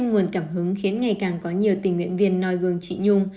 nhưng nguồn cảm hứng khiến ngày càng có nhiều tình nguyện viên nòi gương chị nhung